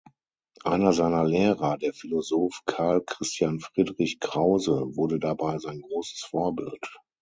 Einer seiner Lehrer, der Philosoph Karl Christian Friedrich Krause wurde dabei sein großes Vorbild.